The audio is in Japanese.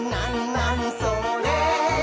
なにそれ？」